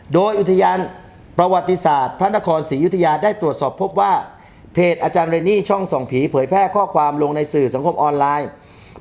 โดยอุทยานประวัติศาสตร์พระนครศรียุธยาได้ตรวจสอบพบว่าเพจอาจารย์เรนนี่ช่องส่องผีเผยแพร่ข้อความลงในสื่อสังคมออนไลน์